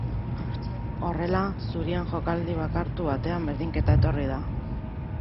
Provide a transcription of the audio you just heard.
Horrela, zurien jokaldi bakartu batean berdinketa etorri da.